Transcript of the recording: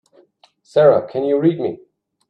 Sara can you read me?